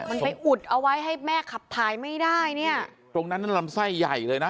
มันไปอุดเอาไว้ให้แม่ขับถ่ายไม่ได้เนี่ยตรงนั้นนั่นลำไส้ใหญ่เลยนะ